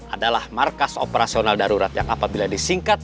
adalah markas operasional darurat yang apabila disingkat